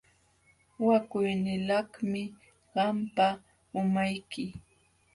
Wakuynilaqmi qampa umayki.